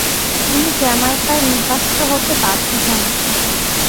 তিনি জ্যামাইকায় নির্বাসিত হতে বাধ্য হন।